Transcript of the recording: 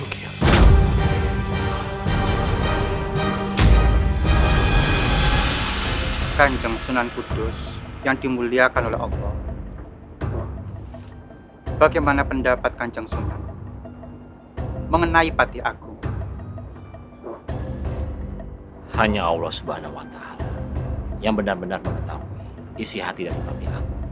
kamu telah terlibat dalam masalah ini